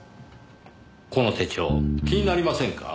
この手帳気になりませんか？